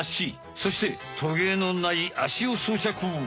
そしてトゲのないアシをそうちゃく！